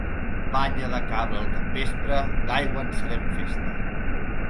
Banya de cabra al capvespre, d'aigua en serem festa.